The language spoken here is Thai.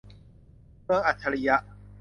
เมืองอัจฉริยะ